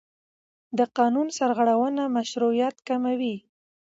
د قانون سرغړونه مشروعیت کموي